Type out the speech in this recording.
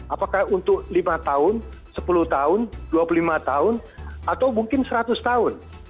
apakah untuk lima tahun sepuluh tahun dua puluh lima tahun atau mungkin seratus tahun